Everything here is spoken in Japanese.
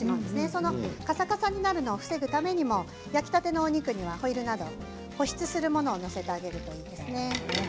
そのカサカサになるのを防ぐためにも焼きたてのお肉にはホイルなど、保湿するものを載せてあげるといいですね。